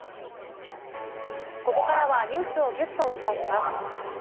ここからはニュースをぎゅっとお伝えします。